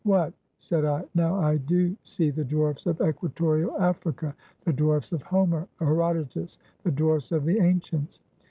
"What!" said I, "now I do see the dwarfs of Equatorial Africa — the dwarfs of Homer, Herodotus — the dwarfs of the ancients."